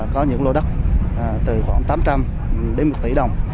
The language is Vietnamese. có những lô đất từ khoảng tám trăm linh đến một tỷ đồng